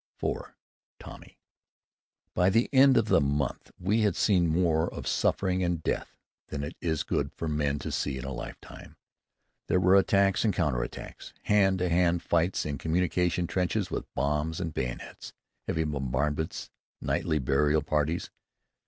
IV. TOMMY By the end of the month we had seen more of suffering and death than it is good for men to see in a lifetime. There were attacks and counter attacks, hand to hand fights in communication trenches with bombs and bayonets, heavy bombardments, nightly burial parties.